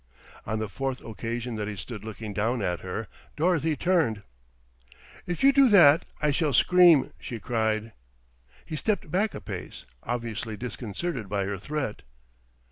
On the fourth occasion that he stood looking down at her, Dorothy turned. "If you do that, I shall scream," she cried. He stepped back a pace, obviously disconcerted by her threat.